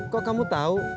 kok kamu tahu